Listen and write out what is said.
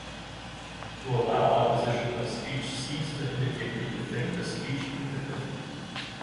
To allow opposition by speech seems to indicate that you think the speech impotent.